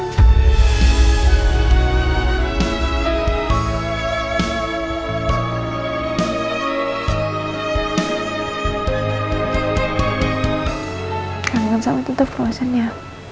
aku kangen sama tante frozen ya